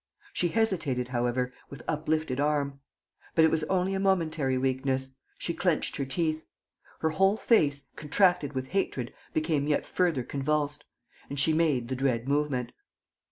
She hesitated, however, with uplifted arm. But it was only a momentary weakness. She clenched her teeth. Her whole face, contracted with hatred, became yet further convulsed. And she made the dread movement.